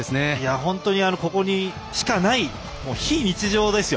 本当にここにしかない非日常ですよ。